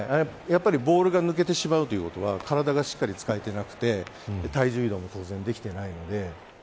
ボールが抜けてしまうということは体がしっかり使えていなくて体重移動もできていないので。